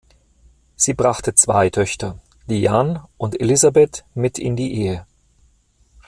Sie brachte zwei Töchter, Diane und Elizabeth, mit in die Ehe.